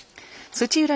土浦